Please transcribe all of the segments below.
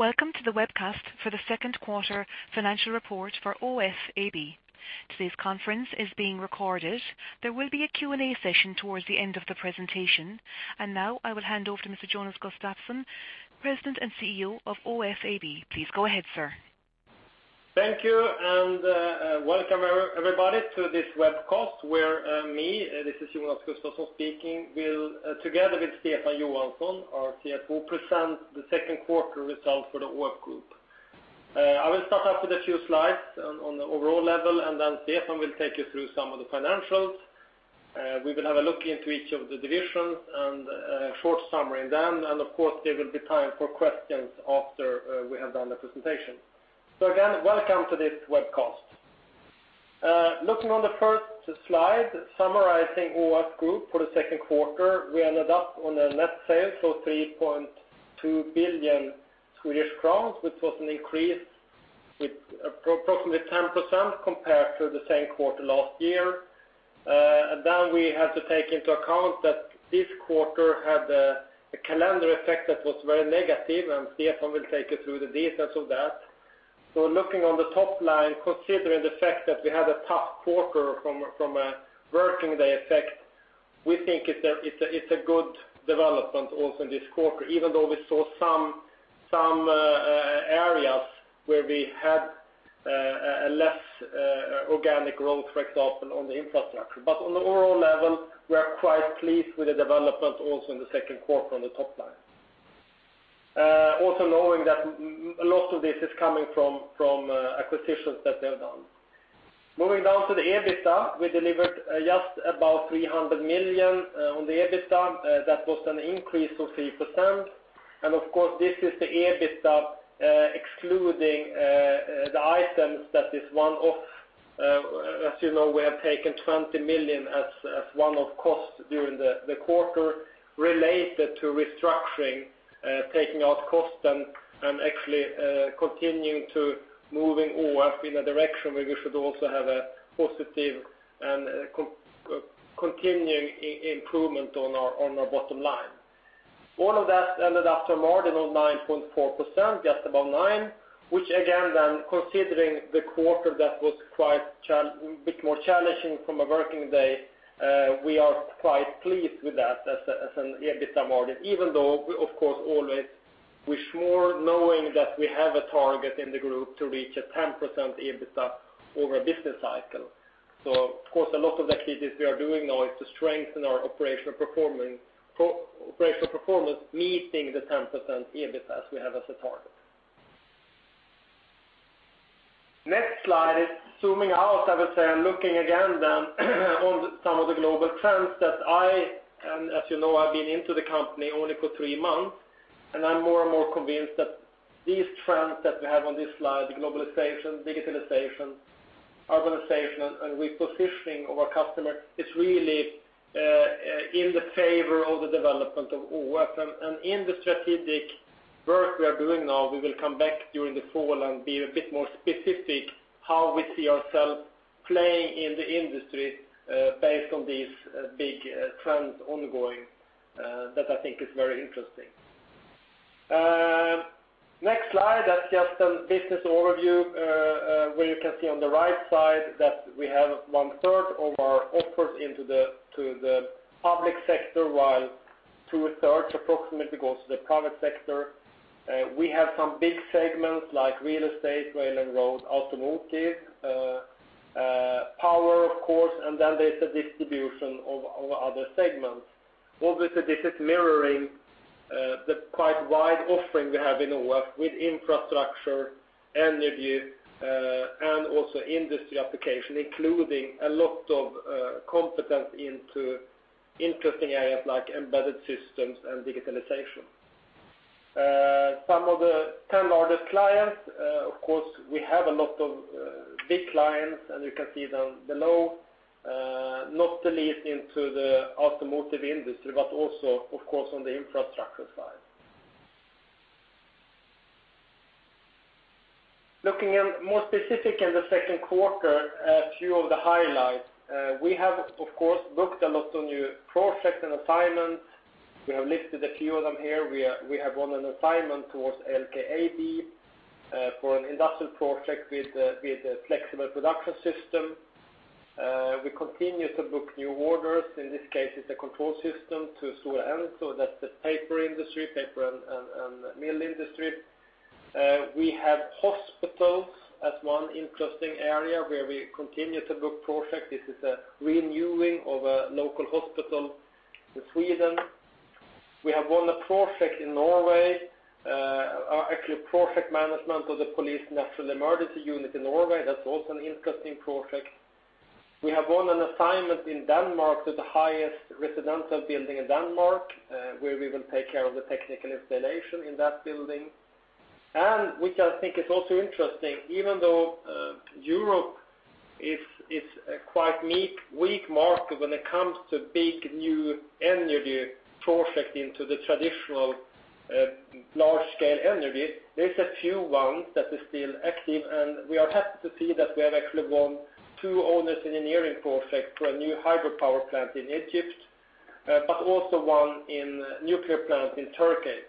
Welcome to the webcast for the second quarter financial report for AFRY. Today's conference is being recorded. There will be a Q&A session towards the end of the presentation. Now I will hand over to Mr. Jonas Gustavsson, President and CEO of AFRY. Please go ahead, sir. Thank you. Welcome, everybody, to this webcast where me, this is Jonas Gustavsson speaking, will together with Stefan Johansson, our CFO, present the second quarter results for the AFRY group. I will start off with a few slides on the overall level. Then Stefan will take you through some of the financials. We will have a look into each of the divisions and a short summary then. Of course, there will be time for questions after we have done the presentation. Again, welcome to this webcast. Looking on the first slide, summarizing AFRY group for the second quarter, we ended up on the net sales of 3.2 billion Swedish crowns, which was an increase with approximately 10% compared to the same quarter last year. Then we have to take into account that this quarter had a calendar effect that was very negative, and Stefan will take you through the details of that. Looking on the top line, considering the fact that we had a tough quarter from a working day effect, we think it's a good development also in this quarter, even though we saw some areas where we had a less organic growth, for example, on the infrastructure. On the overall level, we are quite pleased with the development also in the second quarter on the top line. Also knowing that a lot of this is coming from acquisitions that we have done. Moving down to the EBITDA, we delivered just about 300 million on the EBITDA. That was an increase of 3%. Of course, this is the EBITDA excluding the items that is one-off. As you know, we have taken 20 million as one-off costs during the quarter related to restructuring, taking out costs and actually continuing to moving AFRY in a direction where we should also have a positive and continuing improvement on our bottom line. All of that ended up to a margin of 9.4%, just above nine, which again, then considering the quarter that was a bit more challenging from a working day, we are quite pleased with that as an EBITDA margin, even though we, of course, always wish more knowing that we have a target in the group to reach a 10% EBITDA over a business cycle. Of course, a lot of the activities we are doing now is to strengthen our operational performance, meeting the 10% EBITDA as we have as a target. Next slide is zooming out, I would say, looking again then on some of the global trends that I, as you know, I've been into the company only for three months, and I'm more and more convinced that these trends that we have on this slide, the globalization, digitalization, urbanization, and repositioning of our customer is really in the favor of the development of AFRY. In the strategic work we are doing now, we will come back during the fall and be a bit more specific how we see ourselves playing in the industry based on these big trends ongoing, that I think is very interesting. Next slide. That's just some business overview, where you can see on the right side that we have one-third of our output to the public sector, while two-thirds approximately goes to the private sector. We have some big segments like real estate, rail and road, automotive, power, of course, and then there's the distribution of our other segments. Obviously, this is mirroring the quite wide offering we have in AFRY with infrastructure, energy, and also industry application, including a lot of competence into interesting areas like embedded systems and digitalization. Some of the 10 largest clients, of course, we have a lot of big clients, and you can see them below, not the least into the automotive industry, but also, of course, on the infrastructure side. Looking at more specific in the second quarter, a few of the highlights. We have, of course, booked a lot of new projects and assignments. We have listed a few of them here. We have won an assignment towards LKAB for an industrial project with a flexible production system. We continue to book new orders. In this case, it's a control system to Stora Enso, that's the paper industry, paper and mill industry. We have hospitals as one interesting area where we continue to book projects. This is a renewing of a local hospital in Sweden. We have won a project in Norway, actually project management of the police national emergency unit in Norway. That's also an interesting project. We have won an assignment in Denmark to the highest residential building in Denmark, where we will take care of the technical installation in that building. Which I think is also interesting, even though Europe is a quite weak market when it comes to big new energy project into the traditional large-scale energy, there's a few ones that are still active, and we are happy to see that we have actually won two owner's engineering projects for a new hydropower plant in Egypt. But also one in nuclear plant in Turkey.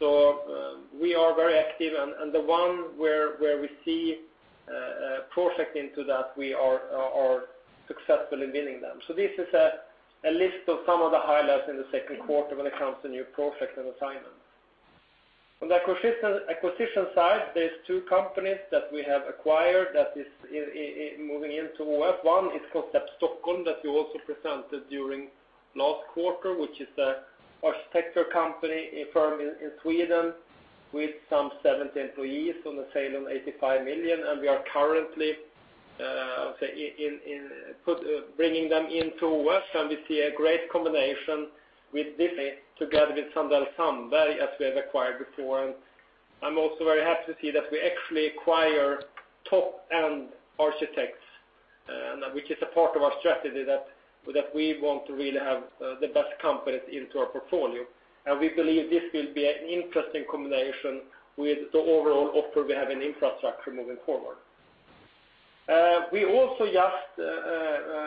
But also one in nuclear plant in Turkey. We are very active, and the ones where we see a project into that, we are successfully winning them. This is a list of some of the highlights in the second quarter when it comes to new projects and assignments. On the acquisition side, there's two companies that we have acquired that is moving into AFRY. One is Koncept Stockholm that we also presented during last quarter, which is a architecture company firm in Sweden with some 70 employees on a sale of 85 million, and we are currently bringing them into AFRY, and we see a great combination with this together with sandellsandberg, as we have acquired before. I'm also very happy to see that we actually acquire top-end architects, which is a part of our strategy that we want to really have the best competence into our portfolio. We believe this will be an interesting combination with the overall offer we have in infrastructure moving forward. We also just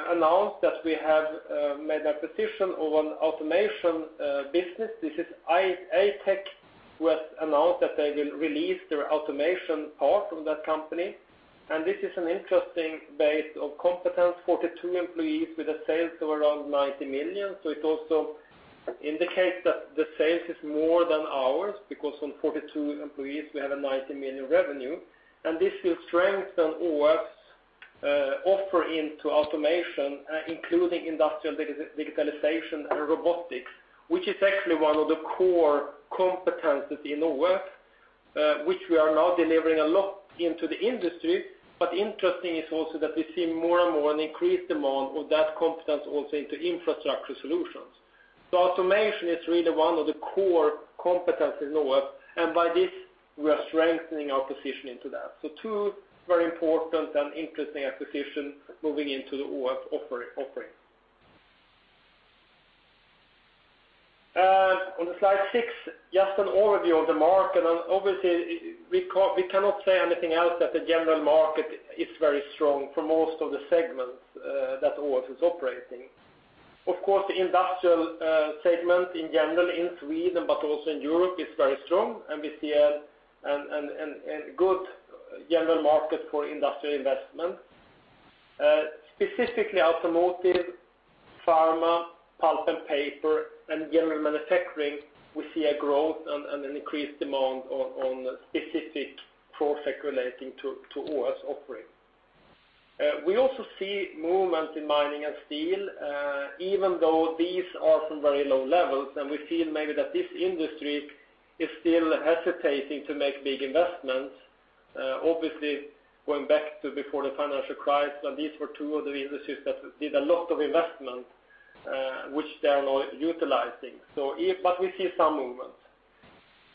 announced that we have made an acquisition of an automation business. This is Eitech, who has announced that they will release their automation part of that company. This is an interesting base of competence, 42 employees with a sales of around 90 million. It also indicates that the sales is more than ours because on 42 employees, we have a 90 million revenue. This will strengthen AFRY's offer into automation, including industrial digitalization and robotics, which is actually one of the core competencies in AFRY, which we are now delivering a lot into the industry. Interesting is also that we see more and more an increased demand of that competence also into infrastructure solutions. Automation is really one of the core competencies in AFRY, and by this, we are strengthening our position into that. Two very important and interesting acquisitions moving into the AFRY offering. On slide six, just an overview of the market, and obviously, we cannot say anything else that the general market is very strong for most of the segments that AFRY is operating. Of course, the industrial segment in general in Sweden, but also in Europe, is very strong, and we see a good general market for industrial investment. Specifically automotive, pharma, pulp and paper, and general manufacturing, we see a growth and an increased demand on a specific project relating to AFRY's offering. We also see movement in mining and steel, even though these are from very low levels, and we feel maybe that this industry is still hesitating to make big investments. Obviously, going back to before the financial crisis, these were two of the industries that did a lot of investment, which they are now utilizing. We see some movement.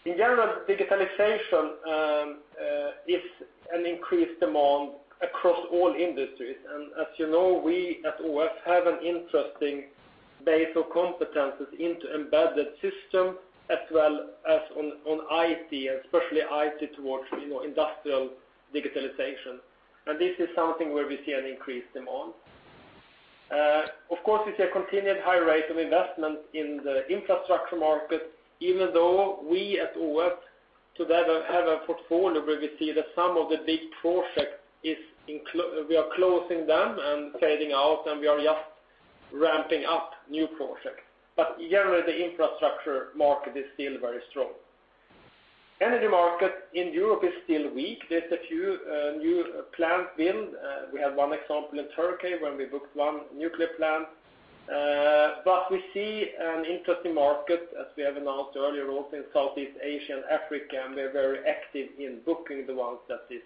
In general, digitalization is an increased demand across all industries. As you know, we at AFRY have an interesting base of competencies into embedded systems as well as on IT, especially IT towards industrial digitalization. This is something where we see an increased demand. Of course, it's a continued high rate of investment in the infrastructure market, even though we at AFRY today have a portfolio where we see that some of the big projects, we are closing them and fading out, and we are just ramping up new projects. Generally, the infrastructure market is still very strong. Energy market in Europe is still weak. There's a few new plant wins. We have one example in Turkey where we booked one nuclear plant. We see an interesting market, as we have announced earlier, also in Southeast Asia and Africa, and we're very active in booking the ones that is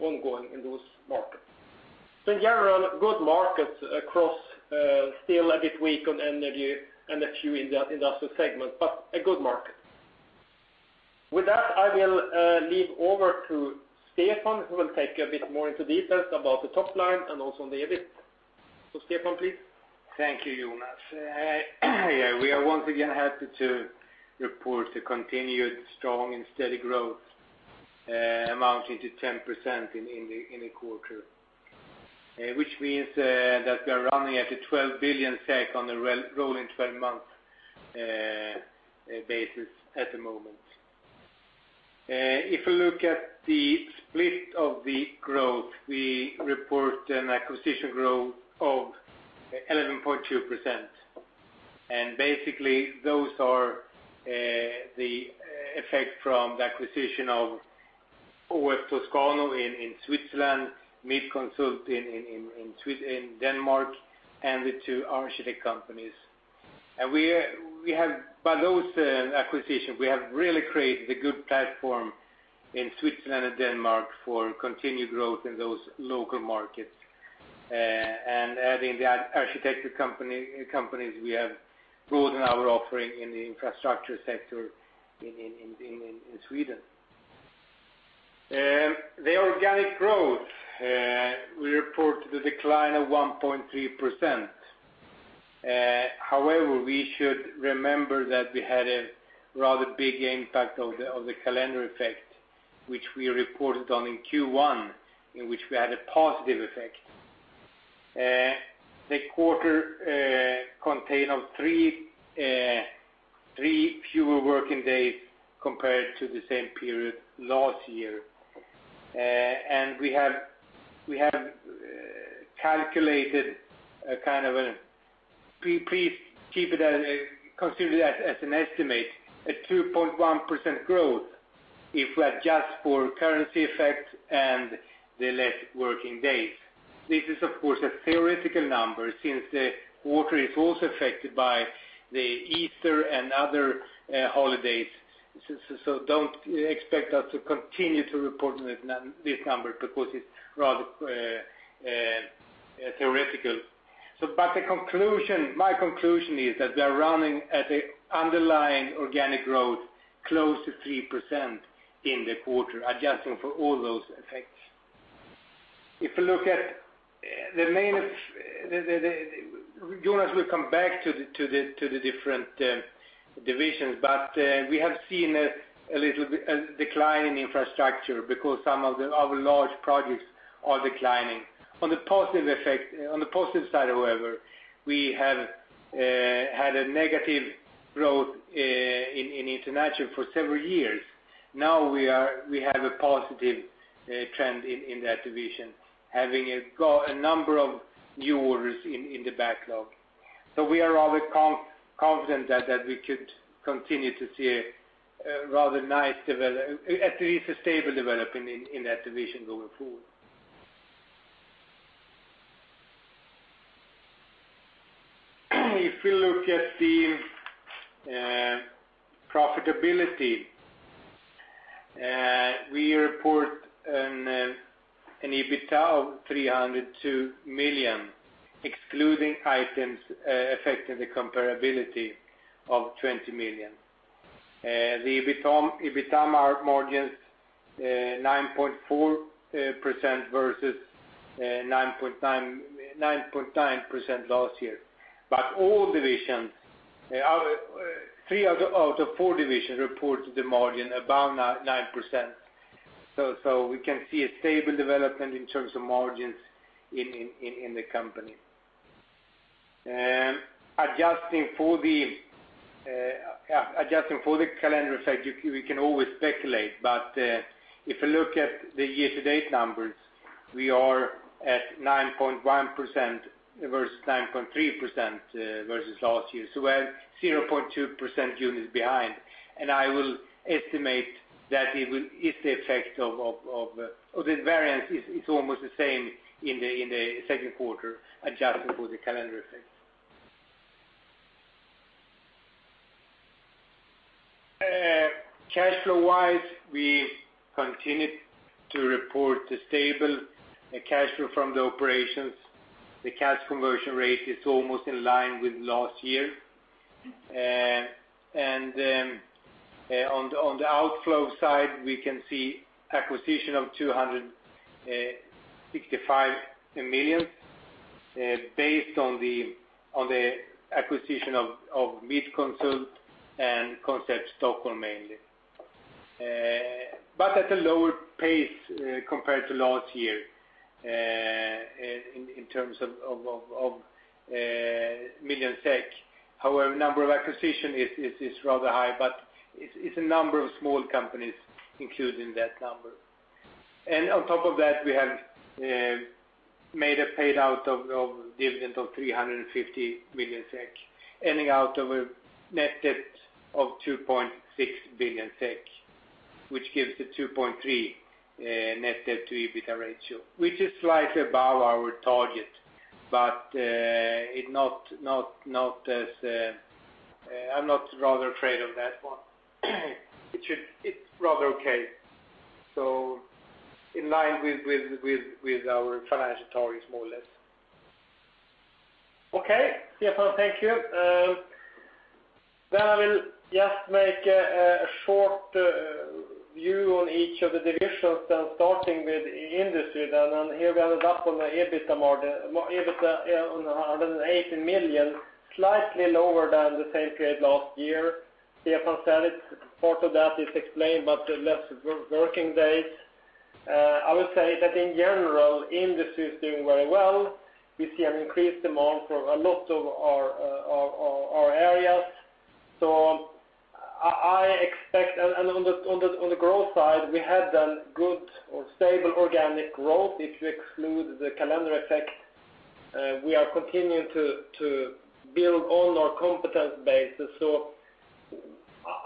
ongoing in those markets. In general, good markets across, still a bit weak on energy and a few industrial segments, but a good market. With that, I will leave over to Stefan, who will take a bit more into details about the top line and also on the EBIT. Stefan, please. Thank you, Jonas. We are once again happy to report a continued strong and steady growth amounting to 10% in the quarter, which means that we are running at 12 billion SEK on a rolling 12-month basis at the moment. If you look at the split of the growth, we report an acquisition growth of 11.2%. Basically those are the effect from the acquisition of ÅF Toscano in Switzerland, Midtconsult in Denmark, and the two architect companies. By those acquisitions, we have really created a good platform in Switzerland and Denmark for continued growth in those local markets. Adding the architecture companies, we have broadened our offering in the infrastructure sector in Sweden. The organic growth, we report the decline of 1.3%. We should remember that we had a rather big impact of the calendar effect, which we reported on in Q1, in which we had a positive effect. The quarter contained three fewer working days compared to the same period last year. We have calculated, please keep it as a consideration, as an estimate, a 2.1% growth if we adjust for currency effects and the less working days. This is, of course, a theoretical number since the quarter is also affected by the Easter and other holidays. Don't expect us to continue to report this number because it's rather theoretical. My conclusion is that they're running at the underlying organic growth close to 3% in the quarter, adjusting for all those effects. Jonas will come back to the different divisions, but we have seen a decline in infrastructure because some of our large projects are declining. On the positive side, however, we have had a negative growth in international for several years. Now we have a positive trend in that division, having a number of new orders in the backlog. We are rather confident that we could continue to see a rather nice, at least a stable development in that division going forward. If we look at the profitability, we report an EBITDA of 302 million, excluding items affecting the comparability of 20 million. The EBITDA margins 9.4% versus 9.9% last year. All divisions, three out of four divisions, reported the margin above 9%. We can see a stable development in terms of margins in the company. Adjusting for the calendar effect, we can always speculate, but if you look at the year-to-date numbers, we are at 9.1% versus 9.3% versus last year. We're 0.2% units behind, and I will estimate that the effect of this variance is almost the same in the second quarter, adjusting for the calendar effect. Cash flow-wise, we continued to report a stable cash flow from the operations. The cash conversion rate is almost in line with last year. On the outflow side, we can see acquisition of 265 million based on the acquisition of Midtconsult and Koncept Stockholm, mainly. At a lower pace compared to last year in terms of million SEK. Number of acquisition is rather high, but it's a number of small companies included in that number. On top of that, we have made a payout of dividend of 350 million SEK, ending out of a net debt of 2.6 billion SEK, which gives the 2.3 net debt to EBITDA ratio, which is slightly above our target, but I am not rather afraid of that one. It is rather okay. In line with our financial target, more or less. Okay. Stefan, thank you. I will just make a short view on each of the divisions, starting with industry. Here we ended up on the EBITDA on 180 million, slightly lower than the same period last year. Stefan said it, part of that is explained by the less working days. I would say that in general, industry is doing very well. We see an increased demand for a lot of our areas. I expect, on the growth side, we have done good or stable organic growth if you exclude the calendar effect. We are continuing to build on our competence base.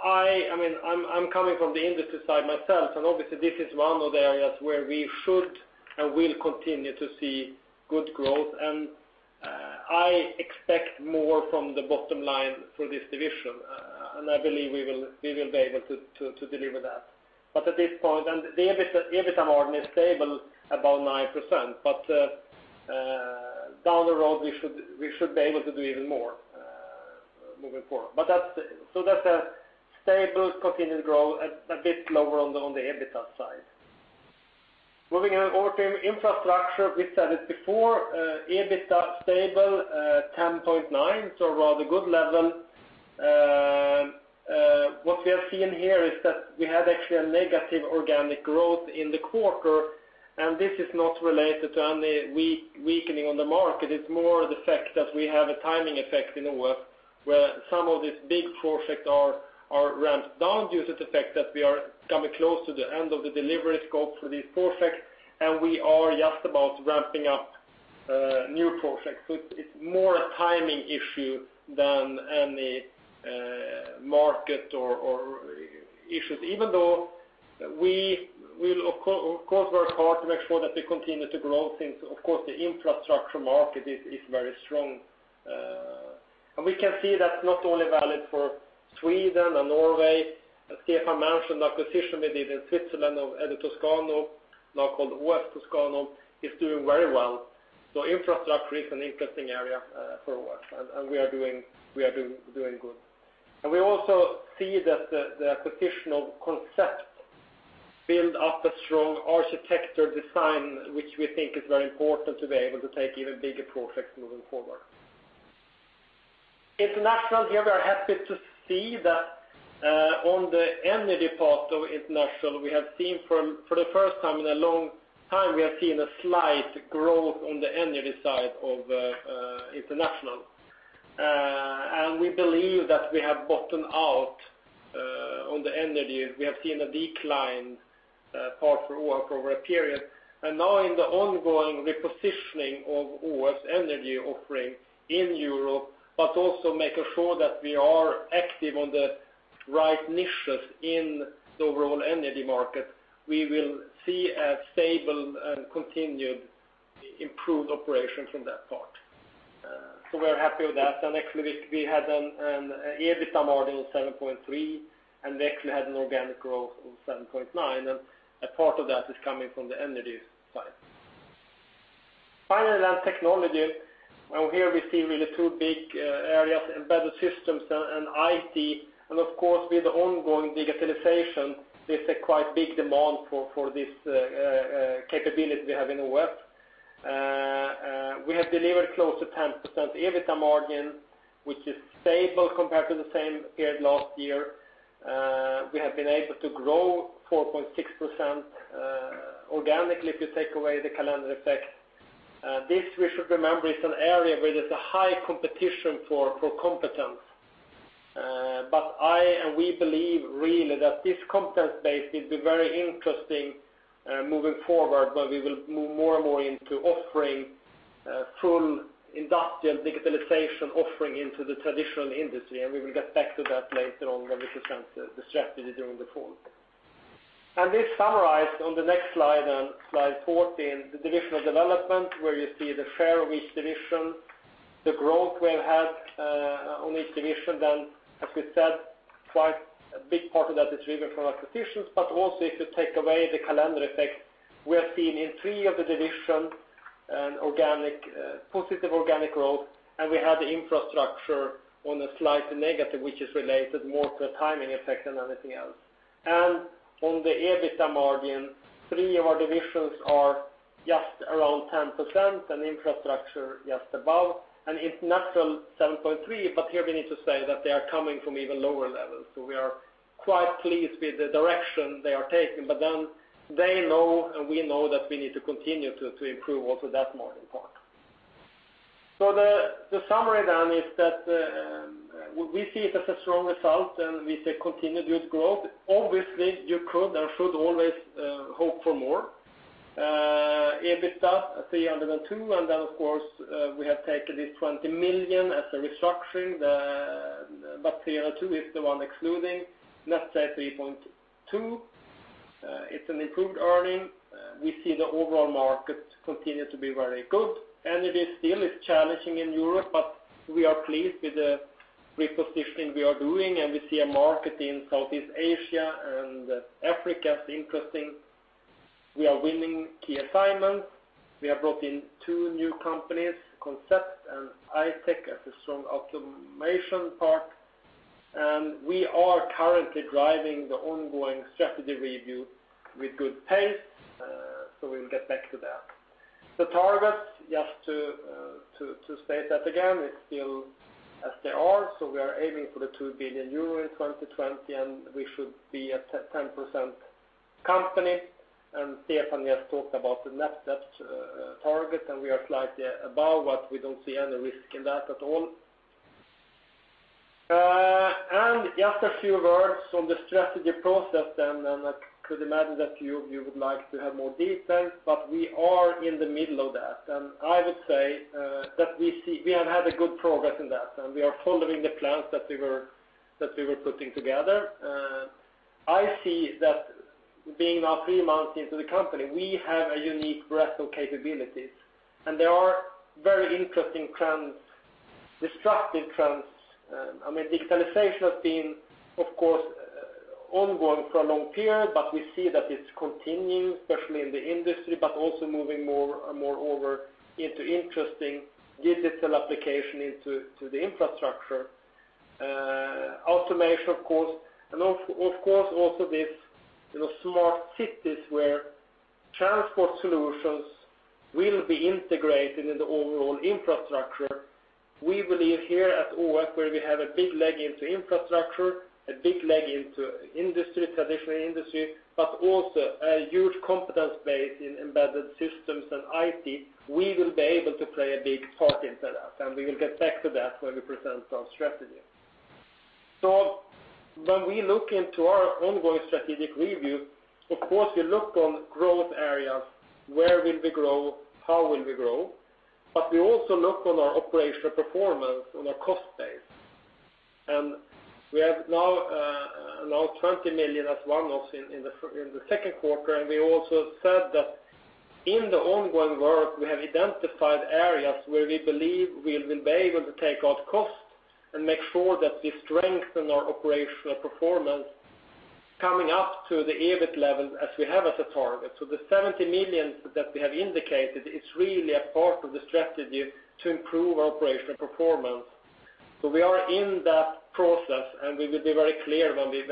I am coming from the industry side myself, obviously this is one of the areas where we should and will continue to see good growth, and I expect more from the bottom line for this division. I believe we will be able to deliver that. At this point, the EBITDA margin is stable, about 9%, down the road, we should be able to do even more moving forward. That is a stable continued growth, a bit lower on the EBITDA side. Moving on over to infrastructure, we have said it before, EBITDA stable at 10.9%, a rather good level. What we are seeing here is that we had actually a negative organic growth in the quarter, this is not related to any weakening on the market. It is more the fact that we have a timing effect in the work, where some of these big projects are ramped down due to the fact that we are coming close to the end of the delivery scope for these projects, and we are just about ramping up new projects. It is more a timing issue than any market or issues. Even though we will of course work hard to make sure that we continue to grow since, of course, the infrastructure market is very strong. We can see that is not only valid for Sweden and Norway. As Stefan mentioned, the acquisition we did in Switzerland of Edy Toscano, now called AF Toscano, is doing very well. Infrastructure is an interesting area for us, we are doing good. We also see that the acquisition of Koncept builds up a strong architecture design, which we think is very important to be able to take even bigger projects moving forward. International, here we are happy to see that on the energy part of international, for the first time in a long time, we have seen a slight growth on the energy side of international. We believe that we have bottomed out on the energy. We have seen a decline for AFRY over a period. In the ongoing repositioning of AFRY's energy offering in Europe, but also making sure that we are active on the right niches in the overall energy market, we will see a stable and continued improved operation from that part. We are happy with that, and actually we had an EBITDA margin of 7.3%, and we actually had an organic growth of 7.9%, and a part of that is coming from the energy side. Finally, technology. Here we see really two big areas, embedded systems and IT, and of course, with the ongoing digitalization, there's a quite big demand for this capability we have in the work. We have delivered close to 10% EBITDA margin, which is stable compared to the same period last year. We have been able to grow 4.6% organically if you take away the calendar effect. This, we should remember, is an area where there's a high competition for competence. We believe really that this competence base will be very interesting moving forward, where we will move more and more into offering full industrial digitalization offering into the traditional industry, and we will get back to that later on when we present the strategy during the fall. This summarized on the next slide 14, the divisional development, where you see the fair of each division, the growth we have had on each division. As we said, quite a big part of that is driven from acquisitions, but also if you take away the calendar effect, we have seen in three of the divisions positive organic growth, and we have the infrastructure on a slight negative, which is related more to a timing effect than anything else. On the EBITDA margin, three of our divisions are just around 10%, and infrastructure just above, and international 7.3%, but here we need to say that they are coming from even lower levels. We are quite pleased with the direction they are taking, but then they know, and we know that we need to continue to improve also that margin part. The summary then is that we see it as a strong result, and we see continued good growth. Obviously, you could, and should always hope for more. EBITDA at SEK 302. Of course, we have taken this 20 million as a restructuring, but 302 is the one excluding. Net debt 3.2. It's an improved earning. We see the overall market continue to be very good. Energy still is challenging in Europe, but we are pleased with the repositioning we are doing, and we see a market in Southeast Asia and Africa as interesting. We are winning key assignments. We have brought in two new companies, Koncept and Eitech as a strong automation part. We are currently driving the ongoing strategy review with good pace. We'll get back to that. The targets, just to state that again, it's still as they are. We are aiming for the 2 billion euro in 2020, and we should be a 10% company. Stefan Johansson just talked about the net debt target, we are slightly above, we don't see any risk in that at all. Just a few words on the strategy process then, I could imagine that you would like to have more details, we are in the middle of that. I would say that we have had a good progress in that, we are following the plans that we were putting together. I see that being now three months into the company, we have a unique breadth of capabilities, there are very interesting trends, disruptive trends. Digitalization has been, of course, ongoing for a long period, but we see that it's continuing, especially in the industry, also moving more and more over into interesting digital application into the infrastructure. Automation, of course, also these smart cities where transport solutions will be integrated into overall infrastructure. We believe here at AFRY, where we have a big leg into infrastructure, a big leg into traditional industry, also a huge competence base in embedded systems and IT, we will be able to play a big part in that, we will get back to that when we present our strategy. When we look into our ongoing strategic review, of course, we look on growth areas, where will we grow, how will we grow? We also look on our operational performance on our cost base. We have now 20 million as one-offs in the second quarter, we also said that in the ongoing work, we have identified areas where we believe we will be able to take out costs and make sure that we strengthen our operational performance coming up to the EBIT levels as we have as a target. The 70 million that we have indicated is really a part of the strategy to improve our operational performance. We are in that process, we will be very clear when we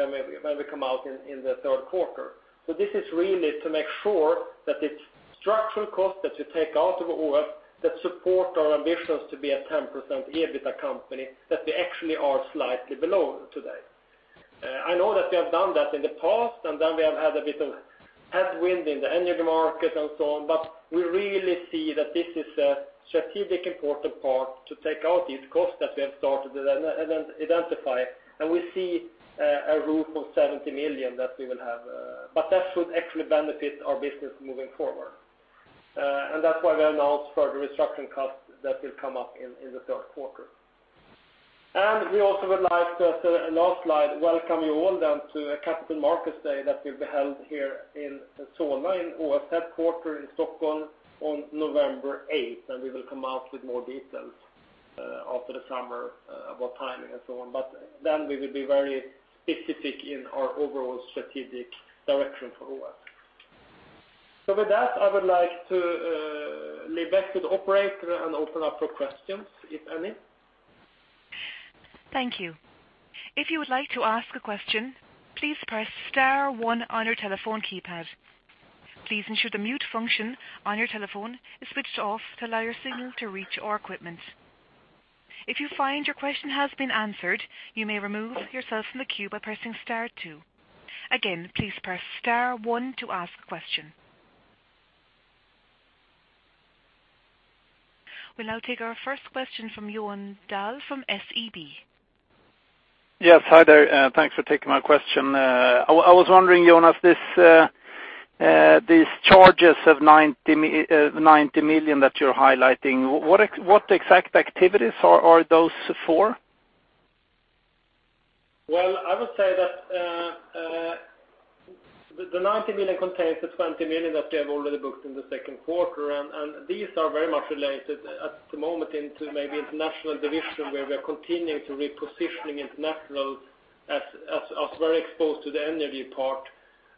come out in the third quarter. This is really to make sure that it's structural costs that we take out of AFRY that support our ambitions to be a 10% EBITDA company, that we actually are slightly below today. I know that we have done that in the past, then we have had a bit of headwind in the energy market and so on, we really see that this is a strategic important part to take out these costs that we have started to identify. We see a roof of 70 million that we will have, that should actually benefit our business moving forward. That's why we announced further restructuring costs that will come up in the third quarter. We also would like to, as the last slide, welcome you all then to a capital markets day that will be held here in Solna, in AFRY headquarter in Stockholm on November 8th, we will come out with more details after the summer about timing and so on. We will be very specific in our overall strategic direction for AFRY. With that, I would like to leave back to the operator and open up for questions, if any. Thank you. If you would like to ask a question, please press star one on your telephone keypad. Please ensure the mute function on your telephone is switched off to allow your signal to reach our equipment. If you find your question has been answered, you may remove yourself from the queue by pressing star two. Again, please press star one to ask a question. We will now take our first question from Johan Dahl from SEB. Yes. Hi there. Thanks for taking my question. I was wondering, Jonas, these charges of 90 million that you are highlighting, what exact activities are those for? I would say that the 90 million contains the 20 million that we have already booked in the second quarter, and these are very much related at the moment into maybe international division, where we are continuing to repositioning international as very exposed to the energy part.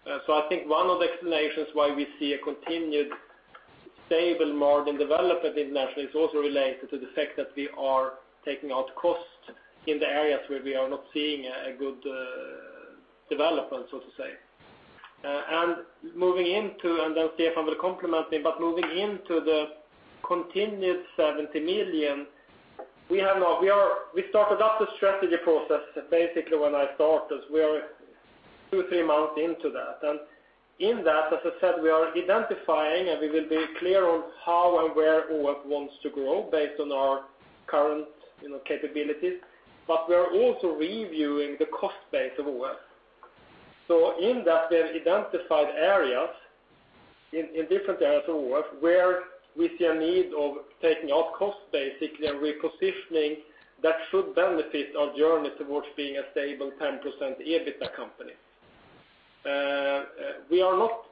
I think one of the explanations why we see a continued stable margin development internationally is also related to the fact that we are taking out costs in the areas where we are not seeing a good development, so to say. Moving into, and then Stefan will complement me, but moving into the continued 70 million, we started out the strategy process basically when I started. We are two, three months into that. In that, as I said, we are identifying, and we will be clear on how and where ÅF wants to grow based on our current capabilities. We are also reviewing the cost base of AF. In that, we have identified areas, in different areas of AF, where we see a need of taking out costs basically and repositioning that should benefit our journey towards being a stable 10% EBITDA company. We are not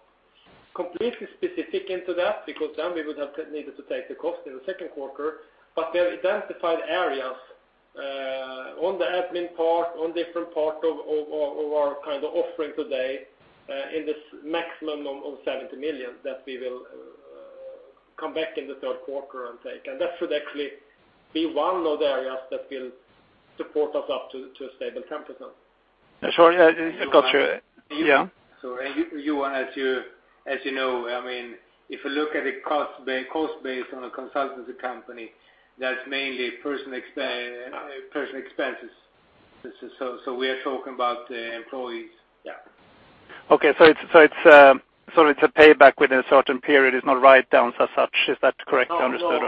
completely specific into that because then we would have needed to take the cost in the second quarter, but we have identified areas on the admin part, on different parts of our kind of offering today, in this maximum of 70 million that we will come back in the third quarter and take. That should actually be one of the areas that will support us up to a stable 10%. Sure. Yeah, got you. Yeah. Johan, as you know, if you look at the cost base on a consultancy company, that's mainly personal expenses. We are talking about employees. Okay. It's a payback within a certain period, it's not write-downs as such. Is that correctly understood?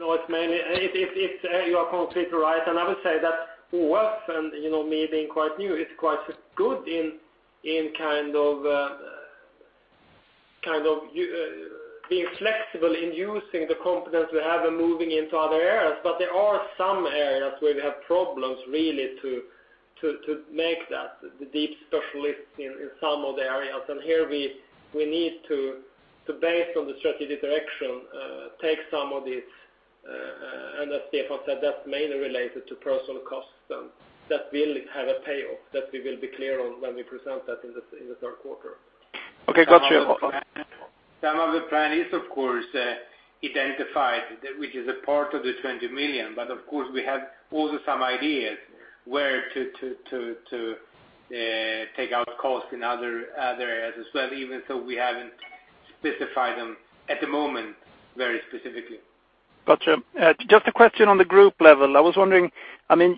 No, you are completely right. I would say that ÅF, and me being quite new, it's quite good in being flexible in using the competence we have and moving into other areas. There are some areas where we have problems really to make that, the deep specialists in some of the areas. Here we need to, based on the strategic direction, take some of this, and as Stefan said, that's mainly related to personal costs, that will have a payoff that we will be clear on when we present that in the third quarter. Okay. Got you. Some of the plan is identified, which is a part of the 20 million, of course, we have also some ideas where to take out costs in other areas as well, even though we haven't specified them at the moment very specifically. Got you. Just a question on the group level. I was wondering,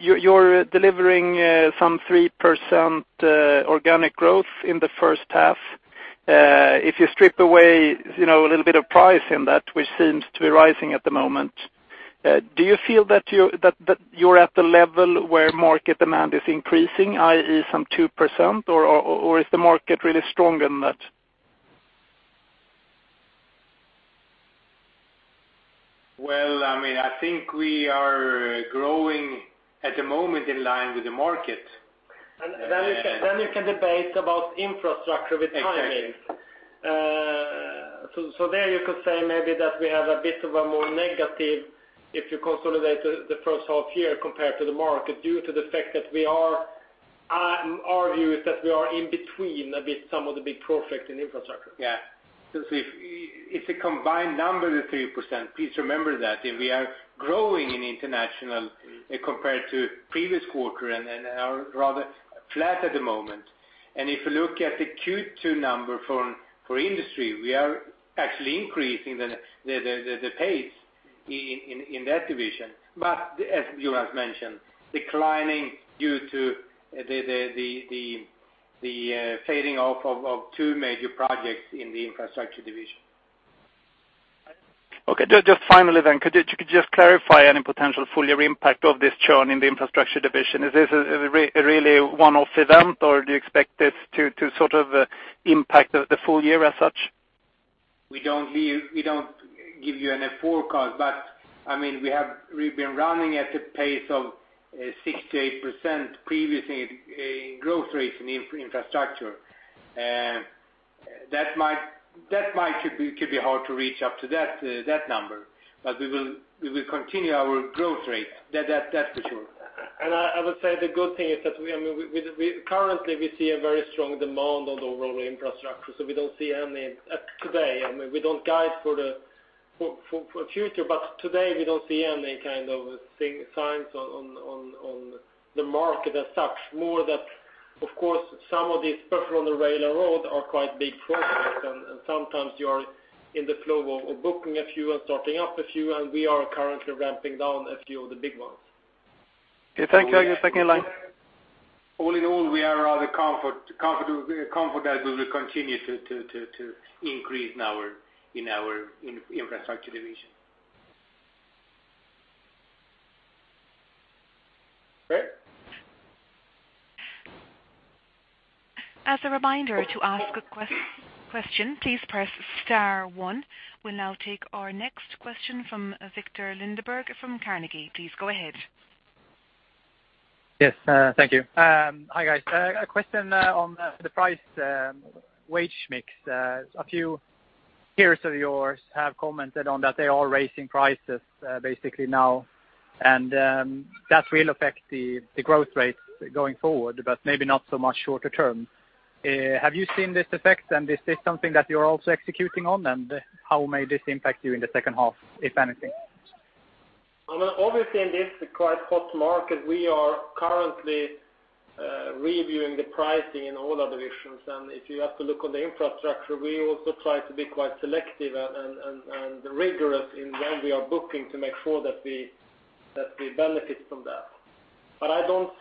you're delivering some 3% organic growth in the first half. If you strip away a little bit of price in that, which seems to be rising at the moment, do you feel that you're at the level where market demand is increasing, i.e., some 2%? Is the market really stronger than that? Well, I think we are growing at the moment in line with the market. You can debate about infrastructure with timing. Exactly. There you could say maybe that we have a bit of a more negative if you consolidate the first half year compared to the market, due to the fact that our view is that we are in between some of the big projects in infrastructure. Yeah. It's a combined number, the 3%. Please remember that. If we are growing in international compared to previous quarter and are rather flat at the moment. If you look at the Q2 number for industry, we are actually increasing the pace in that division, but as Jonas mentioned, declining due to the fading off of two major projects in the infrastructure division. Okay. Just finally, could you just clarify any potential full-year impact of this churn in the infrastructure division? Is this a really one-off event, or do you expect this to impact the full year as such? We don't give you any forecast. We've been running at a pace of 6%-8% previously in growth rates in infrastructure. It could be hard to reach up to that number. We will continue our growth rate, that's for sure. I would say the good thing is that currently we see a very strong demand on the overall infrastructure. We don't see any today. We don't guide for future, today we don't see any kind of signs on the market as such. More that, of course, some of these, especially on the rail and road, are quite big projects, and sometimes you are in the flow of booking a few and starting up a few, and we are currently ramping down a few of the big ones. Okay. Thank you. All in all, we are rather confident that we will continue to increase in our infrastructure division. Right. As a reminder, to ask a question, please press star one. We'll now take our next question from Viktor Lindeberg from Carnegie. Please go ahead. Yes. Thank you. Hi, guys. A question on the price wage mix. A few peers of yours have commented on that they are raising prices basically now, and that will affect the growth rate going forward, but maybe not so much shorter term. Have you seen this effect, and is this something that you're also executing on? How may this impact you in the second half, if anything? Obviously, in this quite hot market, we are currently reviewing the pricing in all our divisions. If you have to look on the infrastructure, we also try to be quite selective and rigorous in when we are booking to make sure that we benefit from that.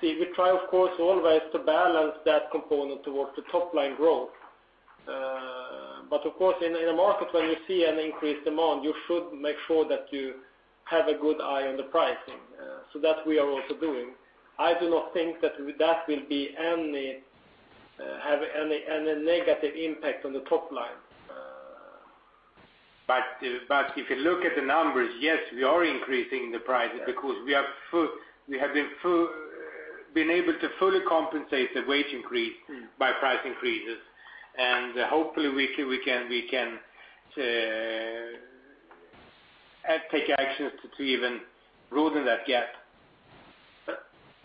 We try, of course, always to balance that component towards the top-line growth. Of course, in a market when you see an increased demand, you should make sure that you have a good eye on the pricing. That we are also doing. I do not think that will have any negative impact on the top line. If you look at the numbers, yes, we are increasing the prices because we have been able to fully compensate the wage increase by price increases, and hopefully we can take actions to even broaden that gap.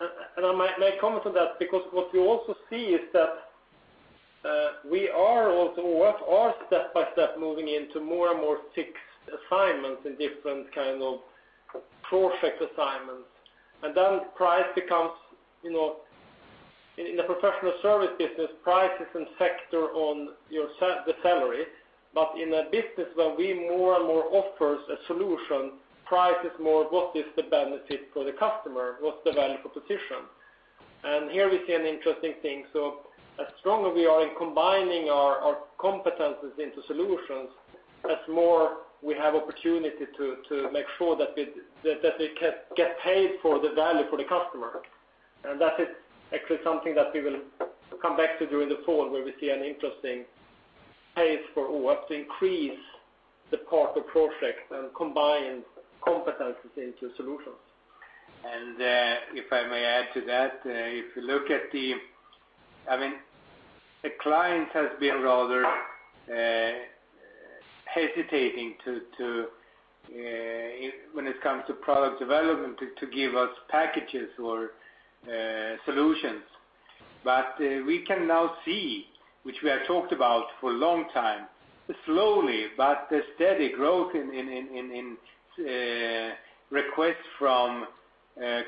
I might comment on that, because what we also see is that we are also, with our step by step, moving into more and more fixed assignments in different kind of project assignments. In the professional service business, price is in sector on the salary, but in a business where we more and more offer a solution, price is more, what is the benefit for the customer? What's the value proposition? Here we see an interesting thing. As strong as we are in combining our competencies into solutions, that's more we have opportunity to make sure that we get paid for the value for the customer. That is actually something that we will come back to during the fall, where we see an interesting pace for us to increase the part of projects and combine competencies into solutions. If I may add to that, the client has been rather hesitating when it comes to product development, to give us packages or solutions. We can now see, which we have talked about for a long time, slowly but steady growth in requests from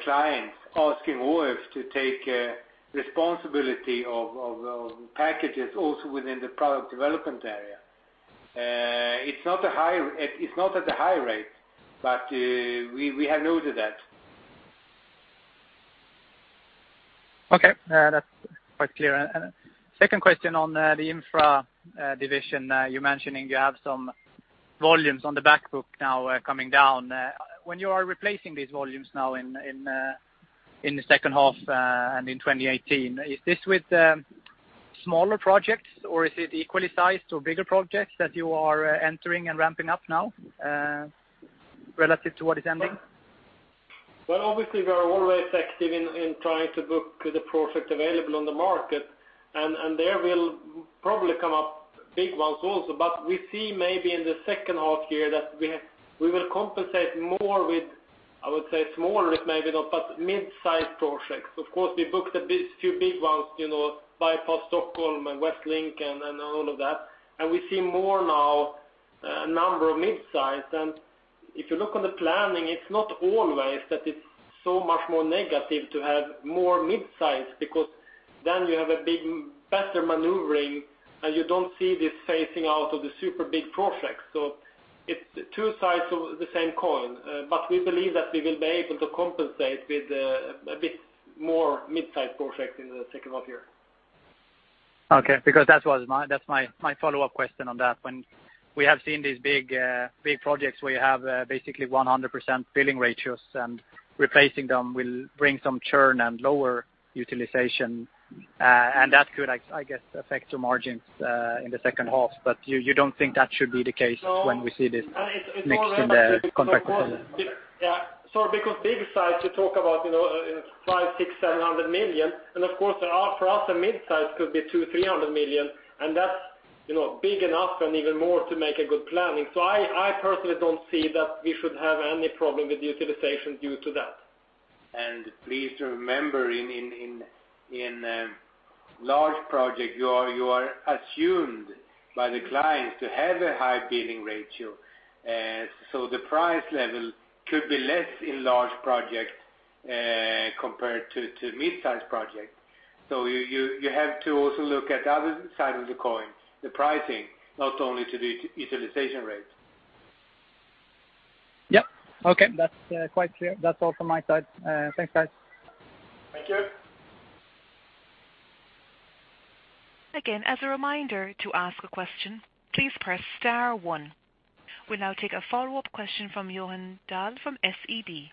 clients asking ÅF to take responsibility of packages also within the product development area. It's not at a high rate, but we have noted that. Okay. That's quite clear. Second question on the infra division. You're mentioning you have some volumes on the back book now coming down. When you are replacing these volumes now in the second half and in 2018, is this with smaller projects or is it equally sized to bigger projects that you are entering and ramping up now relative to what is ending? Well, obviously we are always active in trying to book the project available on the market, there will probably come up big ones also. We see maybe in the second half year that we will compensate more with, I would say smaller maybe, but mid-size projects. Of course, we booked a few big ones, Förbifart Stockholm and Västlänken and all of that, we see more now, a number of mid-size. If you look on the planning, it's not always that it's so much more negative to have more mid-size because then you have a big, better maneuvering, you don't see this phasing out of the super big projects. It's two sides of the same coin. We believe that we will be able to compensate with a bit more mid-size projects in the second half year. Okay. That's my follow-up question on that. When we have seen these big projects where you have basically 100% billing ratios, replacing them will bring some churn and lower utilization, that could, I guess, affect your margins in the second half. You don't think that should be the case when we see this mixed in the contracts? Yeah. Big size, you talk about SEK 500 million, 600 million, 700 million, of course, for us, a midsize could be 200 million, 300 million, that's big enough and even more to make a good planning. I personally don't see that we should have any problem with utilization due to that. Please remember in large project, you are assumed by the clients to have a high billing ratio. The price level could be less in large project compared to mid-size project. You have to also look at the other side of the coin, the pricing, not only to the utilization rate. Yep. Okay. That's quite clear. That's all from my side. Thanks, guys. Thank you. Again, as a reminder, to ask a question, please press star one. We'll now take a follow-up question from Johan Dahl from SEB.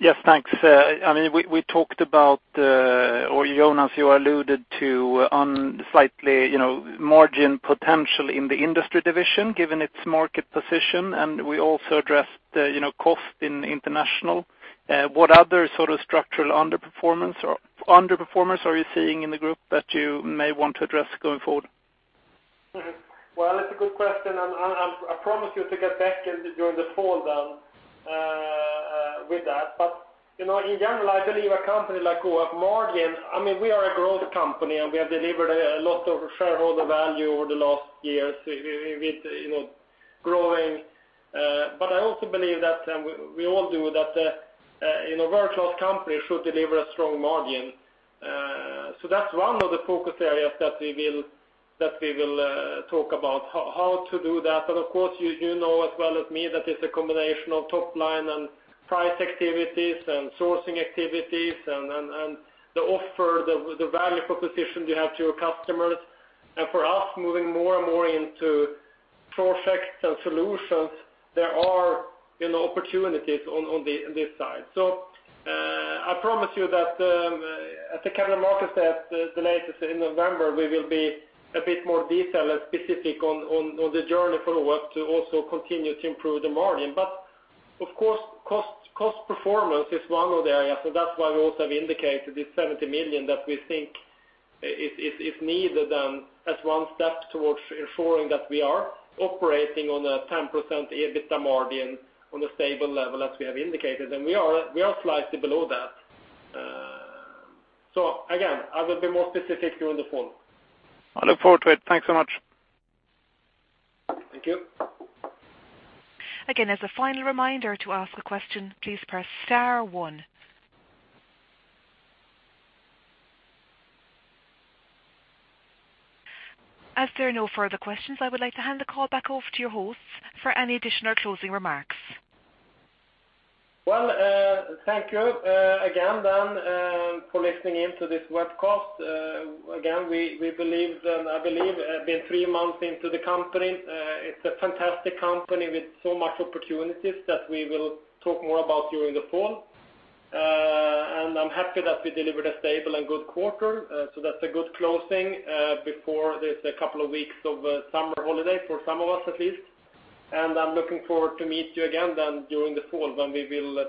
Yes, thanks. We talked about, or Jonas, you alluded to on slightly margin potential in the industry division, given its market position, and we also addressed cost in international. What other sort of structural underperformance are you seeing in the group that you may want to address going forward? It's a good question. I promise you to get back during the fall with that. In general, I believe a company like ÅF, we are a growth company. We have delivered a lot of shareholder value over the last years with growing. I also believe that we all do that. A very close company should deliver a strong margin. That's one of the focus areas that we will talk about how to do that. Of course, you know as well as me that it's a combination of top line and price activities and sourcing activities and the offer, the value proposition you have to your customers. For us, moving more and more into projects and solutions, there are opportunities on this side. I promise you that at the Capital Markets at the latest in November, we will be a bit more detailed and specific on the journey for the work to also continue to improve the margin. Of course, cost performance is one of the areas. That's why we also have indicated this 70 million that we think is needed as one step towards ensuring that we are operating on a 10% EBITDA margin on a stable level as we have indicated. We are slightly below that. Again, I will be more specific during the fall. I look forward to it. Thanks so much. Thank you. Again, as a final reminder, to ask a question, please press star one. There are no further questions, I would like to hand the call back over to your hosts for any additional closing remarks. Well, thank you again then for listening in to this webcast. We believe, and I believe, being three months into the company, it's a fantastic company with so much opportunities that we will talk more about during the fall. I'm happy that we delivered a stable and good quarter. That's a good closing before this couple of weeks of summer holiday for some of us at least. I'm looking forward to meet you again then during the fall when we will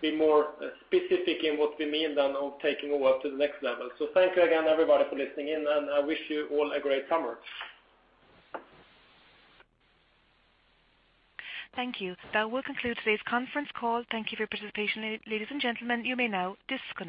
be more specific in what we mean then of taking over to the next level. Thank you again, everybody, for listening in, and I wish you all a great summer. Thank you. That will conclude today's conference call. Thank you for your participation, ladies and gentlemen. You may now disconnect.